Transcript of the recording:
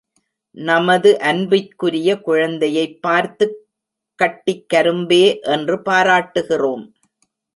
நமது அன்பிற்குரிய குழந்தையைப் பார்த்துக் கட்டிக் கரும்பே என்று பாராட்டுகிறோம்.